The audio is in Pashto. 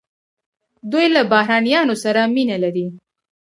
دوی له بهرنیانو سره مینه لري.